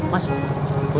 mas punya temen nama purnomo